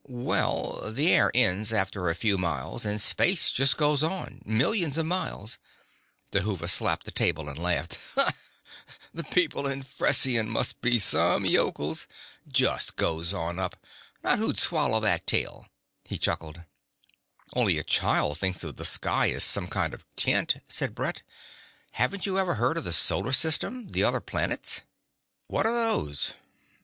Well, the air ends after a few miles and space just goes on millions of miles " Dhuva slapped the table and laughed. "The people in Fesseron must be some yokels! Just goes on up; now who'd swallow that tale?" He chuckled. "Only a child thinks the sky is some kind of tent," said Brett. "Haven't you ever heard of the Solar System, the other planets?" "What are those?"